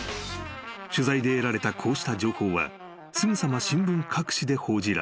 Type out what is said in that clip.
［取材で得られたこうした情報はすぐさま新聞各紙で報じられた］